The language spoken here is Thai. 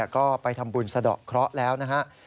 ก็ไปทำบุญสะดอกเคราะห์แล้วนะครับ